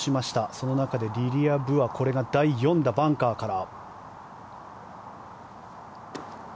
その中でリリア・ブはこれが第４打、バンカーから。